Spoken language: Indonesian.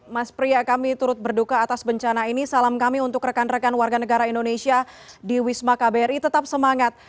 mas pria kami turut berduka atas bencana ini salam kami untuk rekan rekan warga negara indonesia di wisma kbri tetap semangat